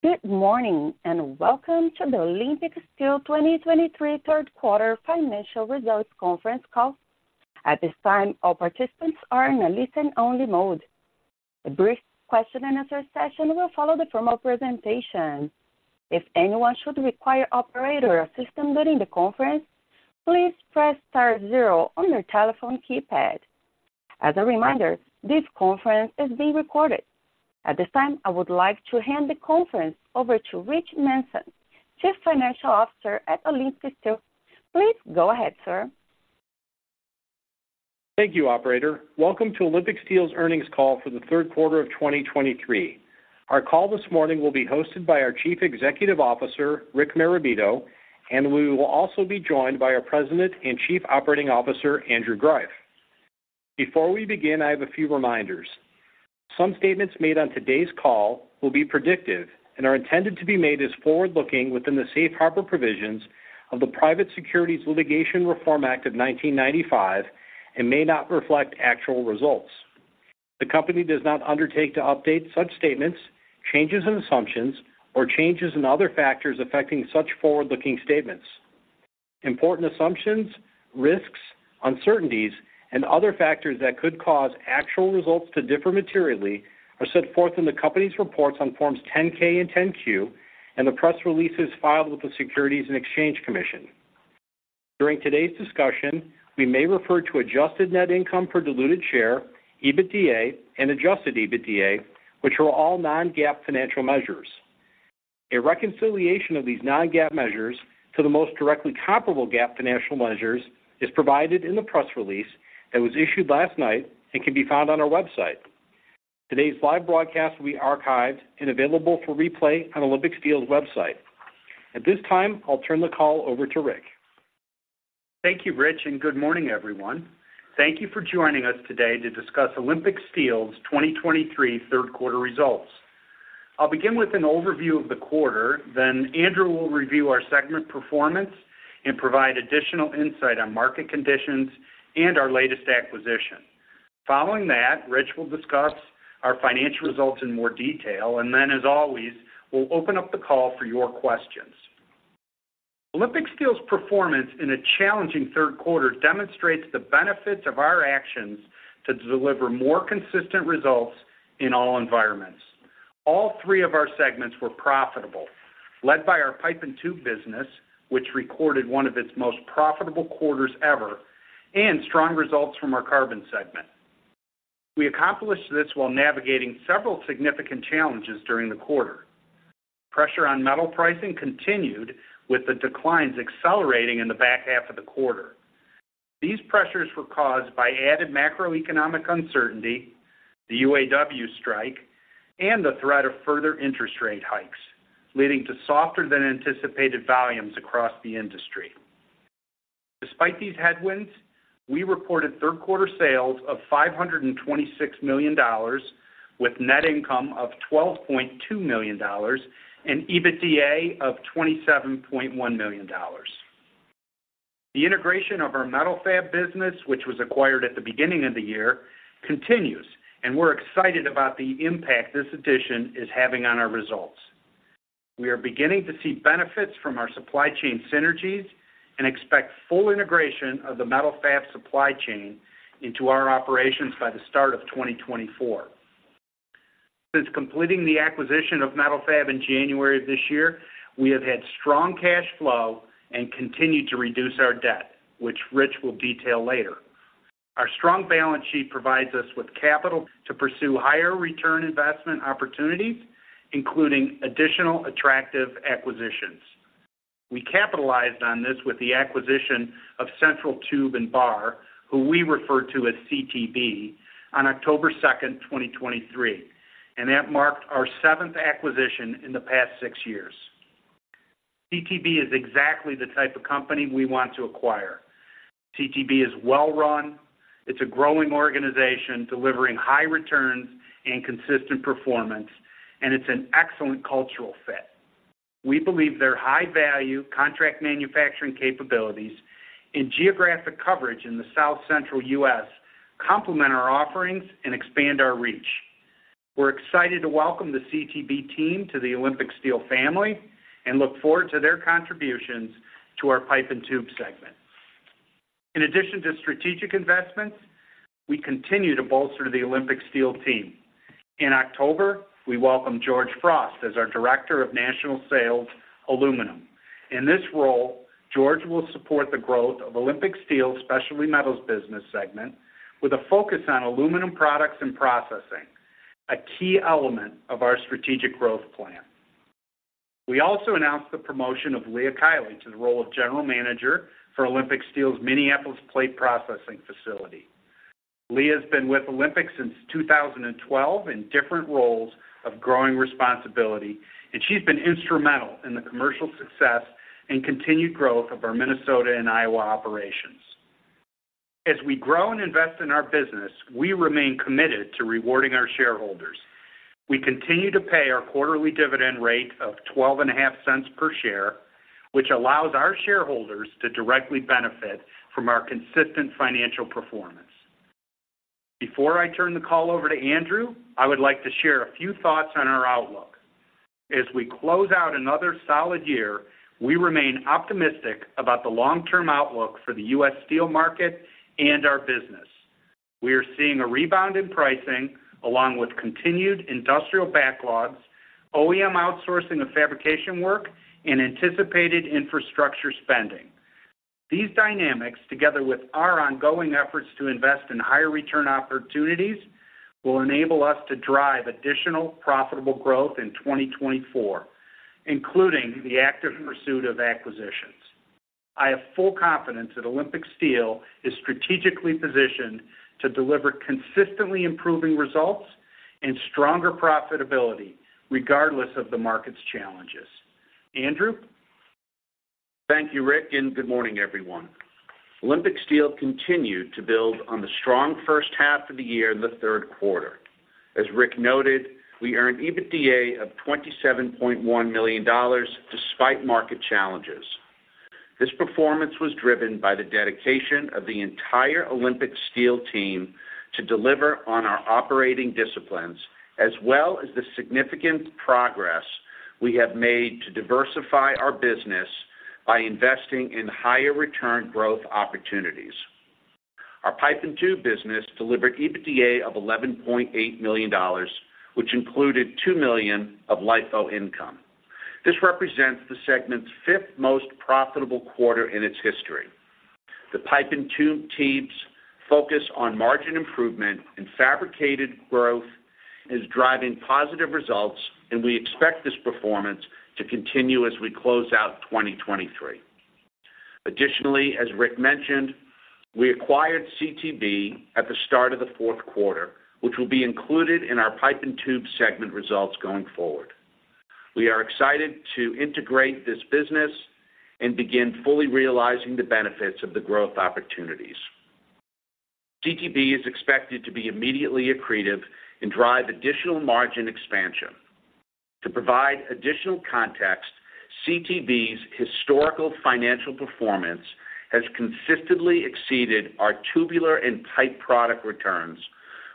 Good morning, and welcome to the Olympic Steel 2023 third quarter financial results conference call. At this time, all participants are in a listen-only mode. A brief question and answer session will follow the formal presentation. If anyone should require operator assistance during the conference, please press star zero on your telephone keypad. As a reminder, this conference is being recorded. At this time, I would like to hand the conference over to Rich Manson, Chief Financial Officer at Olympic Steel. Please go ahead, sir. Thank you, operator. Welcome to Olympic Steel's earnings call for the third quarter of 2023. Our call this morning will be hosted by our Chief Executive Officer, Rick Marabito, and we will also be joined by our President and Chief Operating Officer, Andrew Greiff. Before we begin, I have a few reminders. Some statements made on today's call will be predictive and are intended to be made as forward-looking within the safe harbor provisions of the Private Securities Litigation Reform Act of 1995 and may not reflect actual results. The company does not undertake to update such statements, changes in assumptions, or changes in other factors affecting such forward-looking statements. Important assumptions, risks, uncertainties, and other factors that could cause actual results to differ materially are set forth in the company's reports on Forms 10-K and 10-Q, and the press releases filed with the Securities and Exchange Commission. During today's discussion, we may refer to adjusted net income per diluted share, EBITDA, and adjusted EBITDA, which are all non-GAAP financial measures. A reconciliation of these non-GAAP measures to the most directly comparable GAAP financial measures is provided in the press release that was issued last night and can be found on our website. Today's live broadcast will be archived and available for replay on Olympic Steel's website. At this time, I'll turn the call over to Rick. Thank you, Rich, and good morning, everyone. Thank you for joining us today to discuss Olympic Steel's 2023 third quarter results. I'll begin with an overview of the quarter, then Andrew will review our segment performance and provide additional insight on market conditions and our latest acquisition. Following that, Rich will discuss our financial results in more detail, and then, as always, we'll open up the call for your questions. Olympic Steel's performance in a challenging third quarter demonstrates the benefits of our actions to deliver more consistent results in all environments. All three of our segments were profitable, led by our pipe and tube business, which recorded one of its most profitable quarters ever, and strong results from our carbon segment. We accomplished this while navigating several significant challenges during the quarter. Pressure on metal pricing continued, with the declines accelerating in the back half of the quarter. These pressures were caused by added macroeconomic uncertainty, the UAW strike, and the threat of further interest rate hikes, leading to softer than anticipated volumes across the industry. Despite these headwinds, we reported third-quarter sales of $526 million, with net income of $12.2 million and EBITDA of $27.1 million. The integration of our Metal-Fab business, which was acquired at the beginning of the year, continues, and we're excited about the impact this addition is having on our results. We are beginning to see benefits from our supply chain synergies and expect full integration of the Metal-Fab supply chain into our operations by the start of 2024. Since completing the acquisition of Metal-Fab in January of this year, we have had strong cash flow and continued to reduce our debt, which Rich will detail later. Our strong balance sheet provides us with capital to pursue higher return investment opportunities, including additional attractive acquisitions. We capitalized on this with the acquisition of Central Tube & Bar, who we refer to as CTB, on October 2, 2023, and that marked our seventh acquisition in the past six years. CTB is exactly the type of company we want to acquire. CTB is well-run, it's a growing organization, delivering high returns and consistent performance, and it's an excellent cultural fit. We believe their high-value contract manufacturing capabilities and geographic coverage in the South Central U.S. complement our offerings and expand our reach. We're excited to welcome the CTB team to the Olympic Steel family and look forward to their contributions to our pipe and tube segment. In addition to strategic investments, we continue to bolster the Olympic Steel team. In October, we welcomed George Frost as our Director of National Sales, Aluminum. In this role, George will support the growth of Olympic Steel's Specialty Metals business segment with a focus on aluminum products and processing, a key element of our strategic growth plan. We also announced the promotion of Leah Kiley to the role of General Manager for Olympic Steel's Minneapolis Plate Processing facility. Leah has been with Olympic since 2012 in different roles of growing responsibility, and she's been instrumental in the commercial success and continued growth of our Minnesota and Iowa operations. As we grow and invest in our business, we remain committed to rewarding our shareholders. We continue to pay our quarterly dividend rate of $0.125 per share, which allows our shareholders to directly benefit from our consistent financial performance. Before I turn the call over to Andrew, I would like to share a few thoughts on our outlook. As we close out another solid year, we remain optimistic about the long-term outlook for the U.S. steel market and our business. We are seeing a rebound in pricing, along with continued industrial backlogs, OEM outsourcing of fabrication work, and anticipated infrastructure spending. These dynamics, together with our ongoing efforts to invest in higher return opportunities, will enable us to drive additional profitable growth in 2024, including the active pursuit of acquisitions. I have full confidence that Olympic Steel is strategically positioned to deliver consistently improving results and stronger profitability, regardless of the market's challenges. Andrew? Thank you, Rick, and good morning, everyone. Olympic Steel continued to build on the strong first half of the year in the third quarter. As Rick noted, we earned EBITDA of $27.1 million, despite market challenges. This performance was driven by the dedication of the entire Olympic Steel team to deliver on our operating disciplines, as well as the significant progress we have made to diversify our business by investing in higher return growth opportunities. Our pipe and tube business delivered EBITDA of $11.8 million, which included $2 million of LIFO income. This represents the segment's fifth most profitable quarter in its history. The pipe and tube teams focus on margin improvement and fabricated growth is driving positive results, and we expect this performance to continue as we close out 2023. Additionally, as Rick mentioned, we acquired CTB at the start of the fourth quarter, which will be included in our pipe and tube segment results going forward. We are excited to integrate this business and begin fully realizing the benefits of the growth opportunities. CTB is expected to be immediately accretive and drive additional margin expansion. To provide additional context, CTB's historical financial performance has consistently exceeded our tubular and pipe product returns,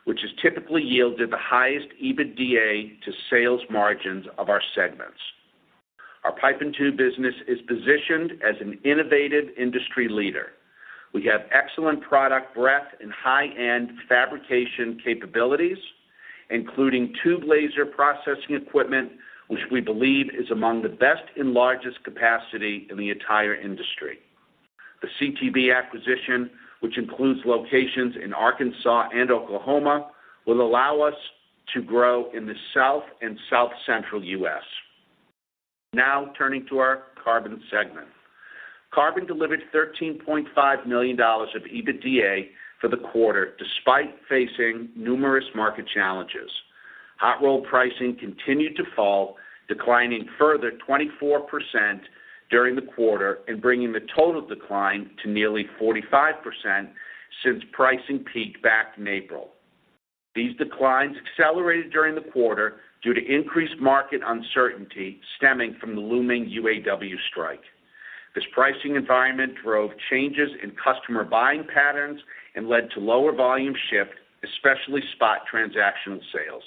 which has typically yielded the highest EBITDA to sales margins of our segments. Our pipe and tube business is positioned as an innovative industry leader. We have excellent product breadth and high-end fabrication capabilities, including tube laser processing equipment, which we believe is among the best and largest capacity in the entire industry. The CTB acquisition, which includes locations in Arkansas and Oklahoma, will allow us to grow in the South and South Central U.S. Now, turning to our carbon segment. Carbon delivered $13.5 million of EBITDA for the quarter, despite facing numerous market challenges. Hot-rolled pricing continued to fall, declining further 24% during the quarter and bringing the total decline to nearly 45% since pricing peaked back in April. These declines accelerated during the quarter due to increased market uncertainty stemming from the looming UAW strike. This pricing environment drove changes in customer buying patterns and led to lower volume shipped, especially spot transactional sales.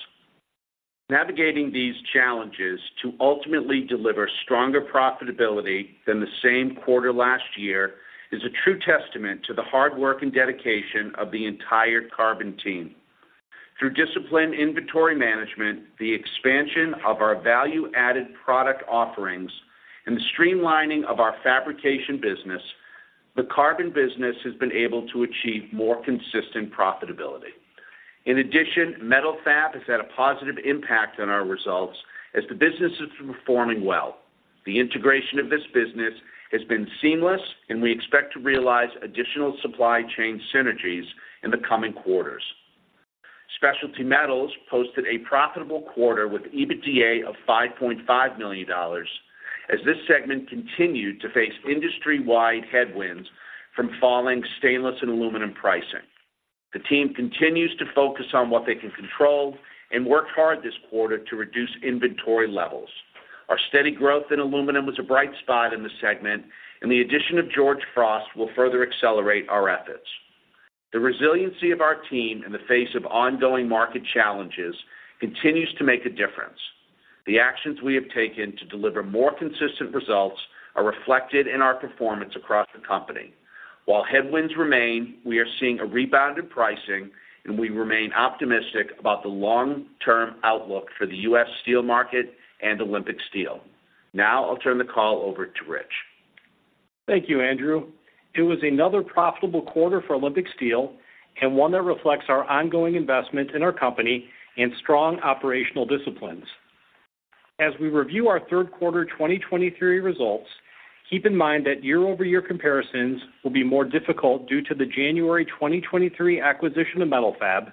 Navigating these challenges to ultimately deliver stronger profitability than the same quarter last year is a true testament to the hard work and dedication of the entire carbon team. Through disciplined inventory management, the expansion of our value-added product offerings, and the streamlining of our fabrication business, the carbon business has been able to achieve more consistent profitability. In addition, Metal-Fab has had a positive impact on our results as the business is performing well. The integration of this business has been seamless, and we expect to realize additional supply chain synergies in the coming quarters. Specialty Metals posted a profitable quarter with EBITDA of $5.5 million, as this segment continued to face industry-wide headwinds from falling stainless and aluminum pricing. The team continues to focus on what they can control and worked hard this quarter to reduce inventory levels. Our steady growth in aluminum was a bright spot in the segment, and the addition of George Frost will further accelerate our efforts. The resiliency of our team in the face of ongoing market challenges continues to make a difference. The actions we have taken to deliver more consistent results are reflected in our performance across the company. While headwinds remain, we are seeing a rebound in pricing, and we remain optimistic about the long-term outlook for the U.S. steel market and Olympic Steel. Now I'll turn the call over to Rich. Thank you, Andrew. It was another profitable quarter for Olympic Steel and one that reflects our ongoing investment in our company and strong operational disciplines. As we review our third quarter 2023 results, keep in mind that year-over-year comparisons will be more difficult due to the January 2023 acquisition of Metal-Fab,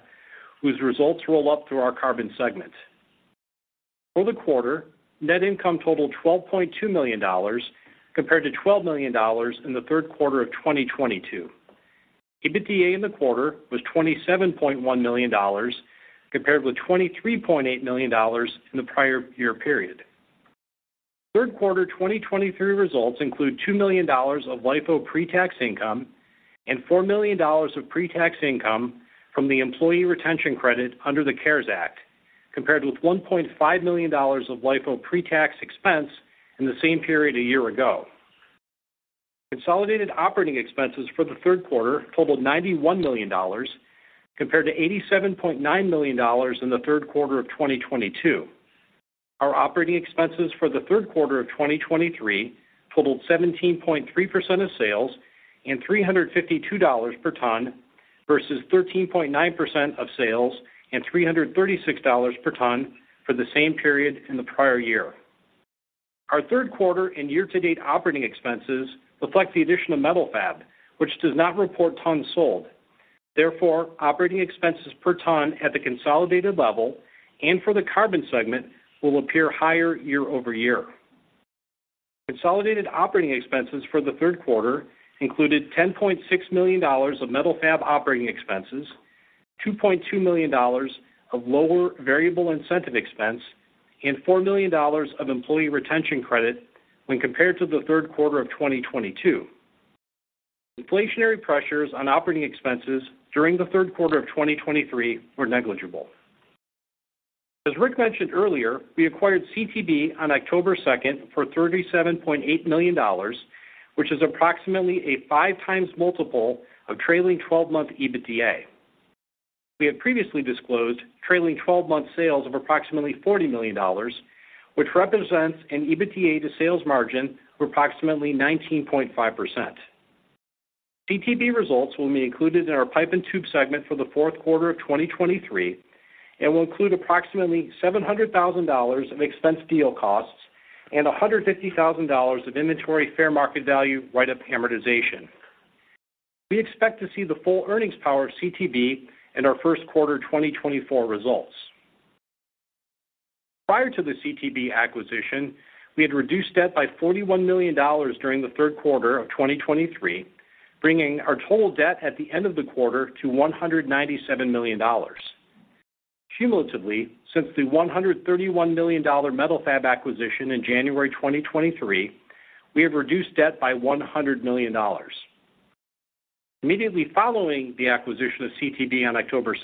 whose results roll up through our carbon segment. For the quarter, net income totaled $12.2 million, compared to $12 million in the third quarter of 2022. EBITDA in the quarter was $27.1 million, compared with $23.8 million in the prior year period. Third quarter 2023 results include $2 million of LIFO pre-tax income and $4 million of pre-tax income from the Employee Retention Credit under the CARES Act, compared with $1.5 million of LIFO pre-tax expense in the same period a year ago. Consolidated operating expenses for the third quarter totaled $91 million, compared to $87.9 million in the third quarter of 2022. Our operating expenses for the third quarter of 2023 totaled 17.3% of sales and $352 per ton, versus 13.9% of sales and $336 per ton for the same period in the prior year. Our third quarter and year-to-date operating expenses reflect the addition of Metal-Fab, which does not report tons sold. Therefore, operating expenses per ton at the consolidated level and for the carbon segment will appear higher year-over-year. Consolidated operating expenses for the third quarter included $10.6 million of Metal-Fab operating expenses, $2.2 million of lower variable incentive expense, and $4 million of Employee Retention Credit when compared to the third quarter of 2022. Inflationary pressures on operating expenses during the third quarter of 2023 were negligible. As Rick mentioned earlier, we acquired CTB on October second for $37.8 million, which is approximately a 5x multiple of trailing twelve-month EBITDA. We have previously disclosed trailing twelve-month sales of approximately $40 million, which represents an EBITDA to sales margin of approximately 19.5%. CTB results will be included in our pipe and tube segment for the fourth quarter of 2023 and will include approximately $700,000 of expense deal costs and $150,000 of inventory fair market value write-up amortization. We expect to see the full earnings power of CTB in our first quarter 2024 results. Prior to the CTB acquisition, we had reduced debt by $41 million during the third quarter of 2023, bringing our total debt at the end of the quarter to $197 million. Cumulatively, since the $131 million Metal-Fab acquisition in January 2023, we have reduced debt by $100 million. Immediately following the acquisition of CTB on October 2,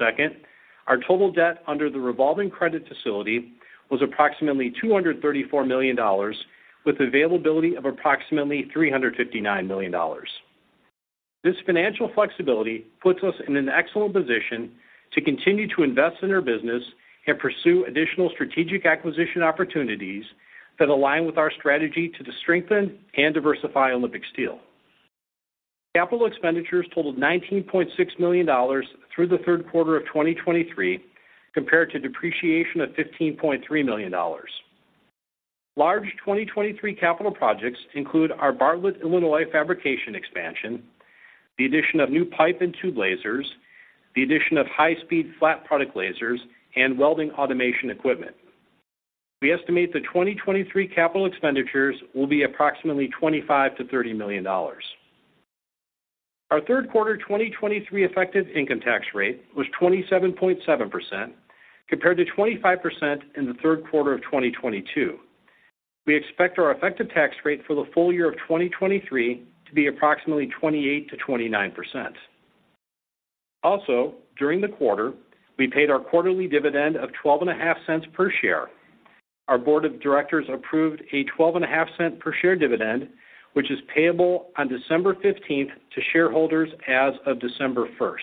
our total debt under the revolving credit facility was approximately $234 million, with availability of approximately $359 million. This financial flexibility puts us in an excellent position to continue to invest in our business and pursue additional strategic acquisition opportunities that align with our strategy to strengthen and diversify Olympic Steel. Capital expenditures totaled $19.6 million through the third quarter of 2023, compared to depreciation of $15.3 million. Large 2023 capital projects include our Bartlett, Illinois, fabrication expansion, the addition of new pipe and tube lasers, the addition of high-speed flat product lasers and welding automation equipment. We estimate the 2023 capital expenditures will be approximately $25 million-$30 million. Our third quarter 2023 effective income tax rate was 27.7%, compared to 25% in the third quarter of 2022. We expect our effective tax rate for the full year of 2023 to be approximately 28%-29%. Also, during the quarter, we paid our quarterly dividend of $0.125 per share. Our board of directors approved a $0.125 per share dividend, which is payable on December fifteenth to shareholders as of December first.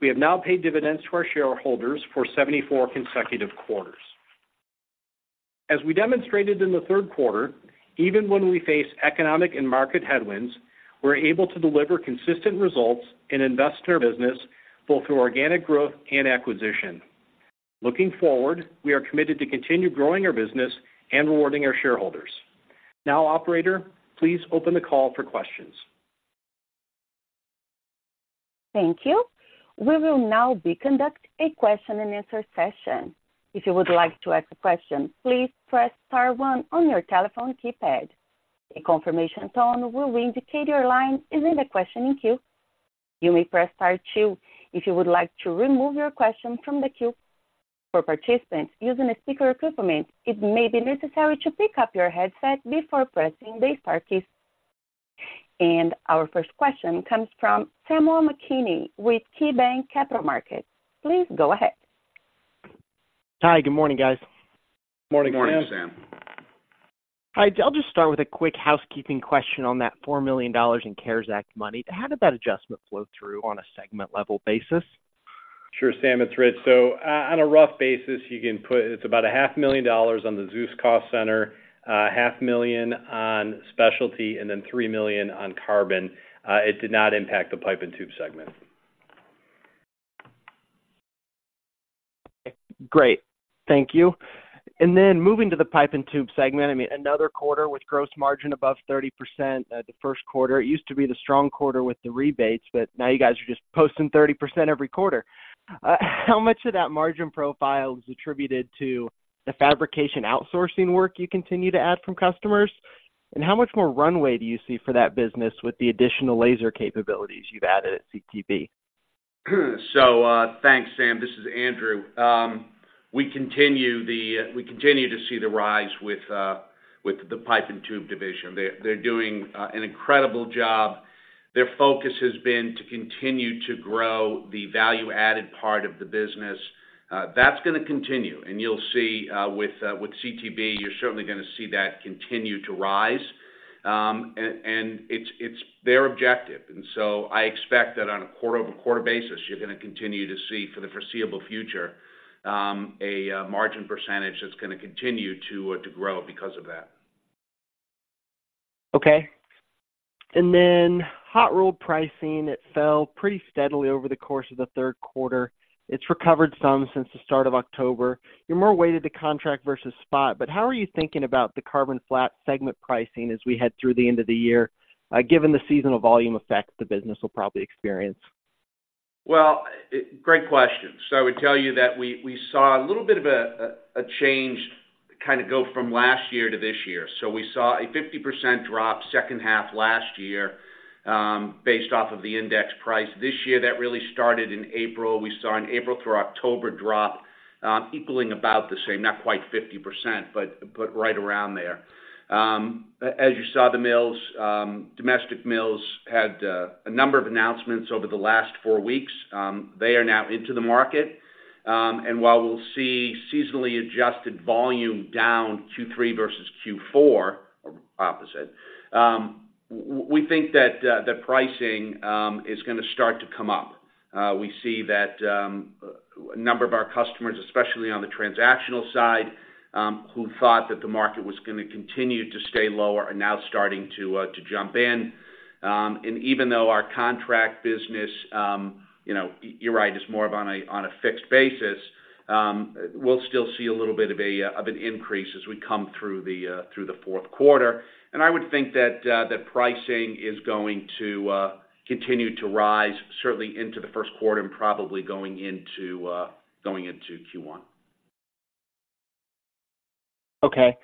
We have now paid dividends to our shareholders for 74 consecutive quarters. As we demonstrated in the third quarter, even when we face economic and market headwinds, we're able to deliver consistent results and invest in our business, both through organic growth and acquisition. Looking forward, we are committed to continue growing our business and rewarding our shareholders. Now, operator, please open the call for questions. Thank you. We will now be conducting a question and answer session. If you would like to ask a question, please press star one on your telephone keypad. A confirmation tone will indicate your line is in the questioning queue. You may press star two if you would like to remove your question from the queue. For participants using a speaker equipment, it may be necessary to pick up your headset before pressing the star keys. Our first question comes from Samuel McKinney with KeyBanc Capital Markets. Please go ahead. Hi, good morning, guys. Morning, Sam. Morning, Sam. Hi, I'll just start with a quick housekeeping question on that $4 million in CARES Act money. How did that adjustment flow through on a segment level basis? Sure, Sam, it's Rich. So, on a rough basis, you can put, it's about $500,000 on the Zeus cost center, $500,000 on specialty, and then $3 million on carbon. It did not impact the pipe and tube segment. Great. Thank you. And then moving to the pipe and tube segment, I mean, another quarter with gross margin above 30%. The first quarter, it used to be the strong quarter with the rebates, but now you guys are just posting 30% every quarter. How much of that margin profile is attributed to the fabrication outsourcing work you continue to add from customers? And how much more runway do you see for that business with the additional laser capabilities you've added at CTB? So, thanks, Sam. This is Andrew. We continue to see the rise with the pipe and tube division. They're doing an incredible job. Their focus has been to continue to grow the value-added part of the business. That's gonna continue, and you'll see with CTB, you're certainly gonna see that continue to rise. And it's their objective. And so I expect that on a quarter-over-quarter basis, you're gonna continue to see, for the foreseeable future, a margin percentage that's gonna continue to grow because of that. Okay. And then, hot-rolled pricing, it fell pretty steadily over the course of the third quarter. It's recovered some since the start of October. You're more weighted to contract versus spot, but how are you thinking about the carbon flat segment pricing as we head through the end of the year, given the seasonal volume effect the business will probably experience? Well, great question. So I would tell you that we saw a little bit of a change kind of go from last year to this year. So we saw a 50% drop second half last year, based off of the index price. This year, that really started in April. We saw an April through October drop, equaling about the same, not quite 50%, but right around there. As you saw, the mills, domestic mills had a number of announcements over the last 4 weeks. They are now into the market. And while we'll see seasonally adjusted volume down Q3 versus Q4, or opposite, we think that the pricing is gonna start to come up. We see that a number of our customers, especially on the transactional side, who thought that the market was gonna continue to stay lower, are now starting to jump in. And even though our contract business, you know, you're right, is more of on a fixed basis, we'll still see a little bit of an increase as we come through the fourth quarter. And I would think that the pricing is going to continue to rise certainly into the first quarter and probably going into Q1. Okay.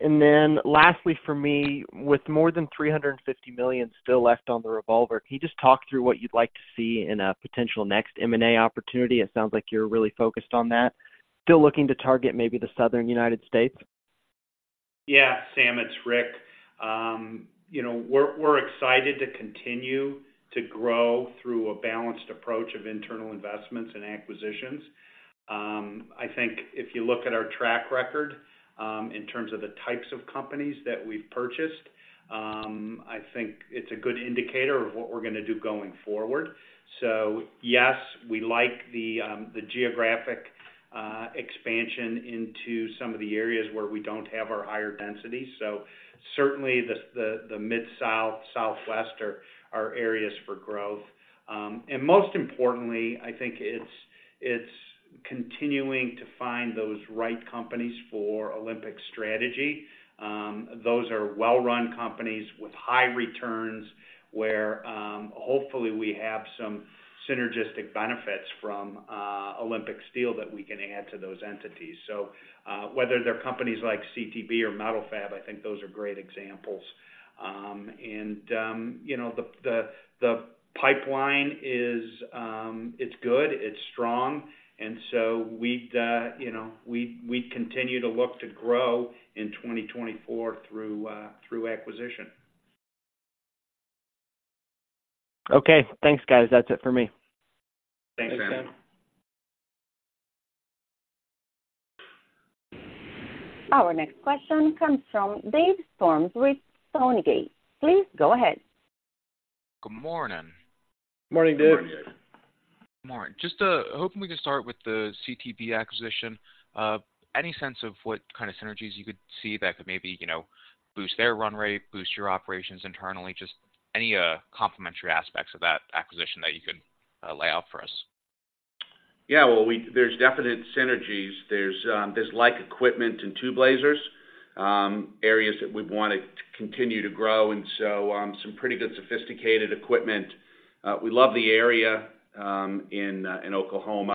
And then lastly for me, with more than $350 million still left on the revolver, can you just talk through what you'd like to see in a potential next M&A opportunity? It sounds like you're really focused on that. Still looking to target maybe the Southern United States? Yeah, Sam, it's Rick. You know, we're excited to continue to grow through a balanced approach of internal investments and acquisitions. I think if you look at our track record in terms of the types of companies that we've purchased, I think it's a good indicator of what we're gonna do going forward. So yes, we like the geographic expansion into some of the areas where we don't have our higher density. So certainly, the Mid-South, Southwest are areas for growth. And most importantly, I think it's continuing to find those right companies for Olympic strategy. Those are well-run companies with high returns, where hopefully, we have some synergistic benefits from Olympic Steel that we can add to those entities. So, whether they're companies like CTB or Metal-Fab, I think those are great examples. You know, the pipeline is good. It's strong, and so we'd, you know, continue to look to grow in 2024 through acquisition. Okay. Thanks, guys. That's it for me. Thanks, Sam. Our next question comes from Dave Storms with Stonegate. Please go ahead. Good morning. Morning, Dave. Morning, Dave. Morning. Just hoping we can start with the CTB acquisition. Any sense of what kind of synergies you could see that could maybe, you know, boost their run rate, boost your operations internally, just any complementary aspects of that acquisition that you could lay out for us? Yeah, well, there's definite synergies. There's like equipment and tube lasers, areas that we wanna continue to grow, and so, some pretty good sophisticated equipment. We love the area in Oklahoma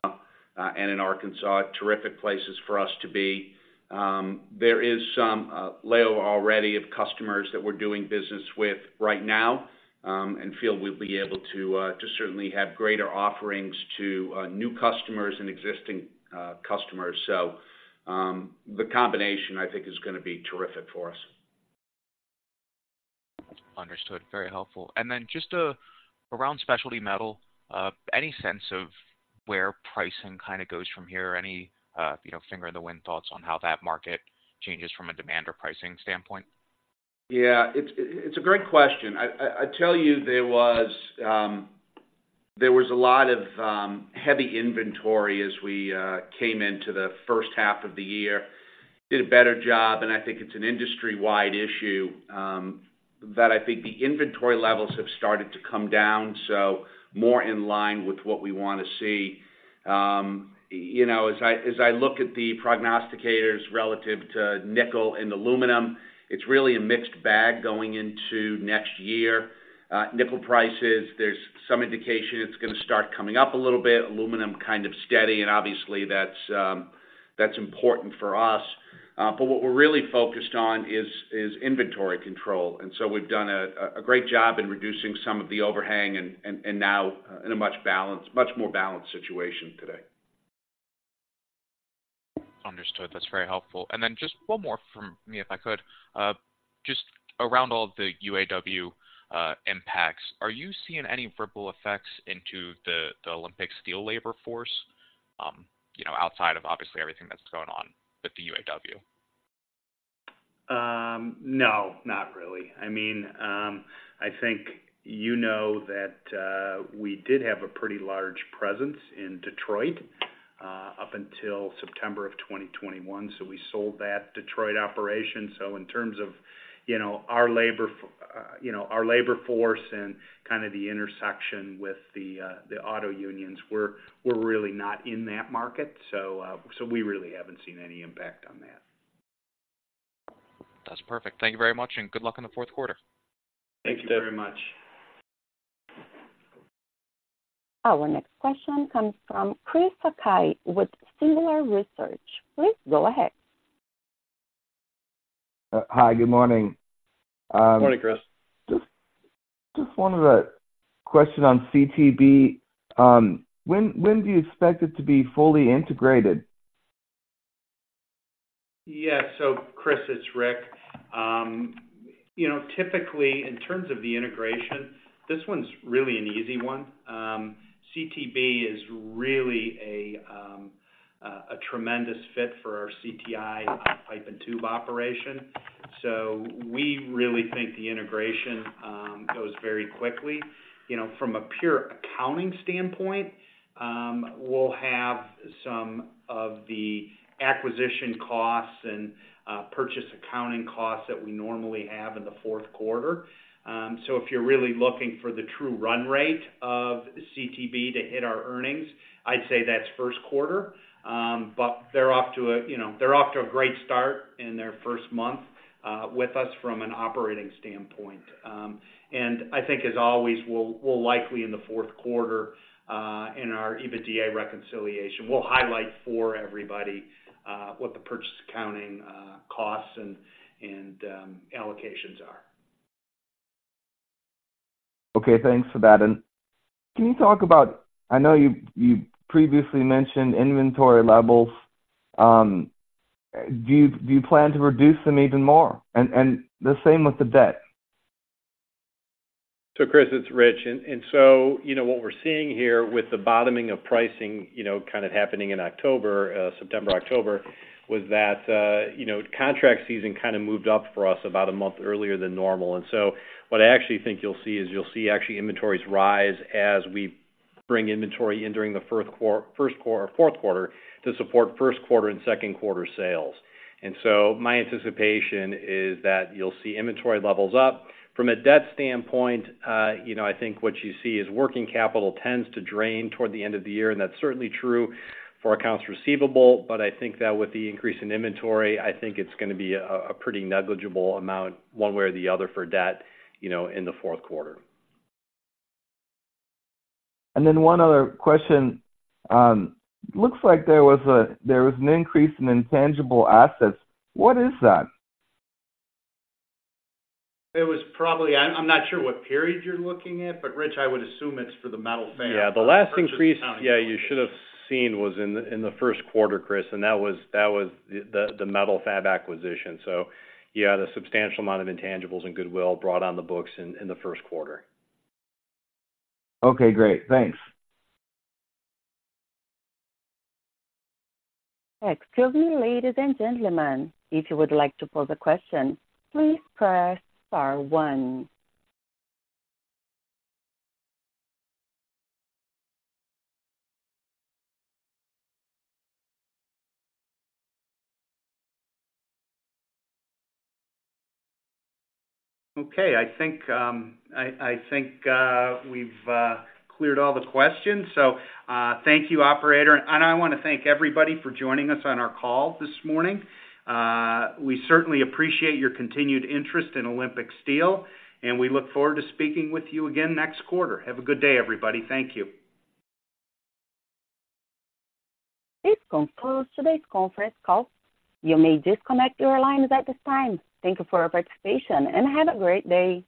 and in Arkansas. Terrific places for us to be. There is some overlap already of customers that we're doing business with right now, and feel we'll be able to certainly have greater offerings to new customers and existing customers. So, the combination, I think, is gonna be terrific for us. Understood. Very helpful. And then just, around specialty metal, any sense of where pricing kind of goes from here? Any, you know, finger in the wind thoughts on how that market changes from a demand or pricing standpoint? Yeah, it's a great question. I tell you, there was a lot of heavy inventory as we came into the first half of the year. Did a better job, and I think it's an industry-wide issue that I think the inventory levels have started to come down, so more in line with what we want to see. You know, as I look at the prognosticators relative to nickel and aluminum, it's really a mixed bag going into next year. Nickel prices, there's some indication it's gonna start coming up a little bit. Aluminum, kind of steady, and obviously, that's important for us. ... but what we're really focused on is inventory control. And so we've done a great job in reducing some of the overhang and now in a much more balanced situation today. Understood. That's very helpful. And then just one more from me, if I could. Just around all of the UAW impacts, are you seeing any ripple effects into the Olympic Steel labor force, you know, outside of obviously, everything that's going on with the UAW? No, not really. I mean, I think you know that we did have a pretty large presence in Detroit up until September of 2021, so we sold that Detroit operation. So in terms of, you know, our labor force and kind of the intersection with the auto unions, we're, we're really not in that market, so, so we really haven't seen any impact on that. That's perfect. Thank you very much, and good luck in the fourth quarter. Thank you very much. Our next question comes from Chris Sakai with Singular Research. Please go ahead. Hi, good morning. Good morning, Chris. Just wanted a question on CTB. When do you expect it to be fully integrated? Yeah. So, Chris, it's Rick. You know, typically, in terms of the integration, this one's really an easy one. CTB is really a tremendous fit for our CTI pipe and tube operation, so we really think the integration goes very quickly. You know, from a pure accounting standpoint, we'll have some of the acquisition costs and purchase accounting costs that we normally have in the fourth quarter. So if you're really looking for the true run rate of CTB to hit our earnings, I'd say that's first quarter. But they're off to a great start in their first month with us from an operating standpoint. And I think as always, we'll likely, in the fourth quarter, in our EBITDA reconciliation, we'll highlight for everybody what the purchase accounting costs and allocations are. Okay, thanks for that. And can you talk about, I know you previously mentioned inventory levels. Do you plan to reduce them even more? And the same with the debt. So, Chris, it's Rich. And so, you know, what we're seeing here with the bottoming of pricing, you know, kind of happening in October, September, October, was that, you know, contract season kind of moved up for us about a month earlier than normal. And so what I actually think you'll see is, you'll see actually inventories rise as we bring inventory in during the fourth quarter to support first quarter and second quarter sales. And so my anticipation is that you'll see inventory levels up. From a debt standpoint, you know, I think what you see is working capital tends to drain toward the end of the year, and that's certainly true for accounts receivable, but I think that with the increase in inventory, I think it's gonna be a pretty negligible amount one way or the other for debt, you know, in the fourth quarter. Then one other question. Looks like there was an increase in intangible assets. What is that? It was probably... I'm not sure what period you're looking at, but Rich, I would assume it's for the Metal-Fab. Yeah, the large increase, yeah, you should have seen was in the first quarter, Chris, and that was the Metal-Fab acquisition. So yeah, the substantial amount of intangibles and goodwill brought on the books in the first quarter. Okay, great. Thanks. Excuse me, ladies and gentlemen. If you would like to pose a question, please press star one. Okay. I think we've cleared all the questions. So, thank you, operator, and I want to thank everybody for joining us on our call this morning. We certainly appreciate your continued interest in Olympic Steel, and we look forward to speaking with you again next quarter. Have a good day, everybody. Thank you. This concludes today's conference call. You may disconnect your lines at this time. Thank you for your participation, and have a great day.